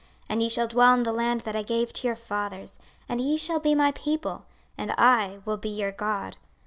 26:036:028 And ye shall dwell in the land that I gave to your fathers; and ye shall be my people, and I will be your God.